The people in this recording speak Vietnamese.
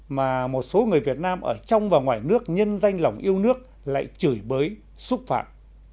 mà một số người việt nam ở trong và ngoài nước nhân danh lòng yêu nước lại chửi bới xúc phạm